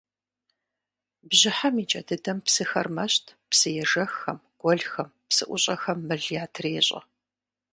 Бжьыхьэм и кӏэ дыдэм псыхэр мэщт – псыежэххэм, гуэлхэм, псыӏущӏэхэм мыл ятрещӏэ.